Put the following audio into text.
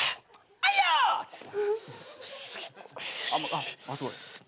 あっすごい。